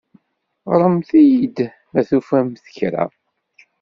Ɣremt-iyi-d ma tufamt kra.